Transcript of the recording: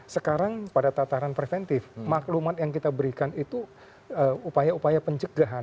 sekarang pada tataran preventif maklumat yang kita berikan itu upaya upaya pencegahan